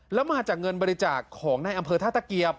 แล้วมาจากเงินบริจาคของในอำเภอท่าตะเกียบ